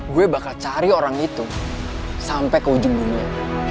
gue bakal cari orang itu sampai ke ujung dunia